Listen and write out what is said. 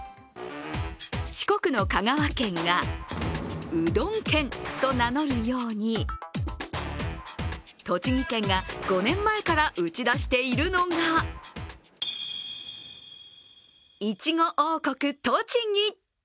四国の香川県がうどん県と名乗るように栃木県が５年前から打ち出しているのがいちご王国・栃木。